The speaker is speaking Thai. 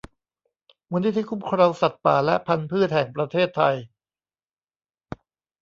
มูลนิธิคุ้มครองสัตว์ป่าและพรรณพืชแห่งประเทศไทย